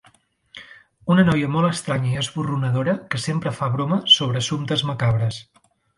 Una noia molt estranya i esborronadora que sempre fa broma sobre assumptes macabres.